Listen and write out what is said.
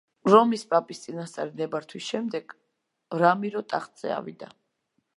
რომის პაპის წინასწარი ნებართვის შემდეგ რამირო ტახტზე ავიდა.